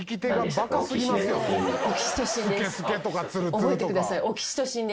覚えてください。